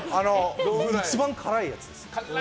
一番辛いやつです。